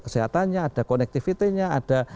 kesehatannya ada connectivity nya ada